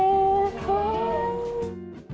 かわいい。